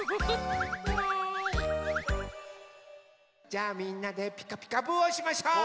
じゃあみんなで「ピカピカブ！」をしましょう。